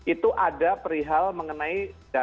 itu ada perihal mengenai